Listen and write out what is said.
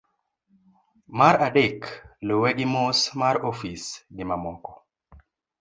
mar adek, luwe gi mos mar ofis gimamoko